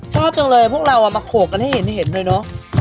ชอบจังเลยพวกเรามาโขกกันให้เห็นเลยเนอะ